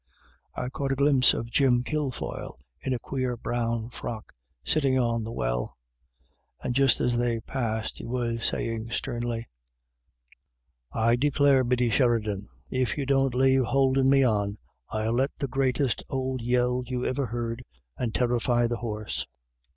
I caught a glimpse of Jim Kilfoyle in a queer brown frock sitting on the well, and just as they passed he was saying sternly :" V clare, Biddy Sheridan, if you don't lave houldin' me on, I'll let the greatest ould yell you iver heard, and terrify the horse."